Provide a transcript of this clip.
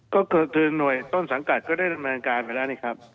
ก็คือหน่วยต้นสังกัดก็ได้ดำเนินการไปแล้วนี่ครับ